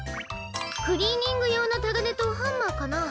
クリーニングようのたがねとハンマーかな。